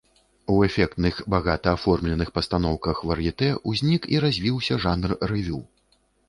У эфектных, багата аформленых пастаноўках вар'етэ ўзнік і развіўся жанр рэвю.